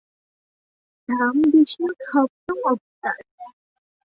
রাম বিষ্ণুর সপ্তম অবতার।